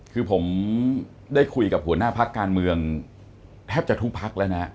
คือผมได้คุยกับหัวหน้าพักการเมืองแทบจะทุกพักแล้วนะ